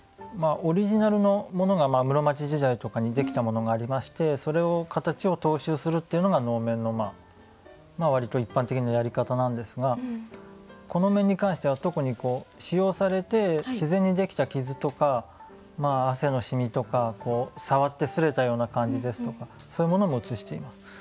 オリジナルのものが室町時代とかにできたものがありましてそれを形を踏襲するっていうのが能面の割と一般的なやり方なんですがこの面に関しては特に使用されて自然にできた傷とか汗の染みとか触って擦れたような感じですとかそういうものも写しています。